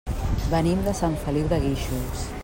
Venim de Sant Feliu de Guíxols.